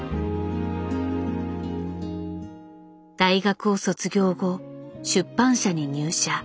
大学を卒業後出版社に入社。